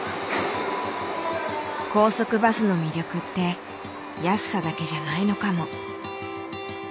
高速バスの魅力って安さだけじゃないのかも。